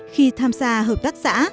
khi tham gia hợp tác xã